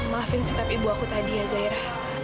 maafin sikap ibu aku tadi ya zaira